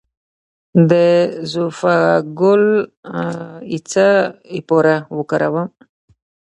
د زوفا ګل د څه لپاره وکاروم؟